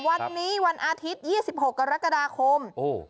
วันนี้วันอาทิตยี่สิบหกกรกฎาคม